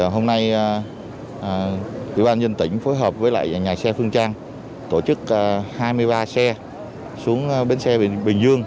hôm nay tỉnh phối hợp với nhà xe phương trang tổ chức hai mươi ba xe xuống bến xe bình dương